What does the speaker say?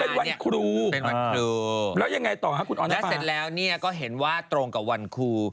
เป็นวันครูเป็นวันครูแล้วยังไงต่อครับคุณออนด้าเสร็จแล้วเนี่ยก็เห็นว่าตรงกับวันครู